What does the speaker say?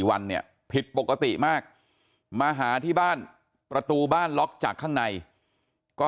วันเนี่ยผิดปกติมากมาหาที่บ้านประตูบ้านล็อกจากข้างในก็